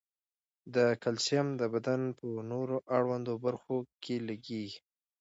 دا کلسیم د بدن په نورو اړوندو برخو کې لګیږي.